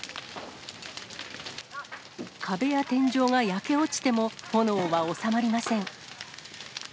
壁や天井が焼け落ちても、炎は収まりません。